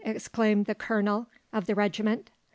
exclaimed the colonel of the regiment.